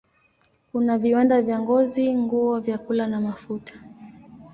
Kuna viwanda vya ngozi, nguo, vyakula na mafuta.